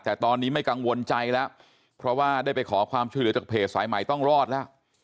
แต่ตอนนี้ไม่กังวลใจแล้วเพราะว่าได้ไปขอความช่วยเหลือจากเพจสายใหม่ต้องรอดแล้ว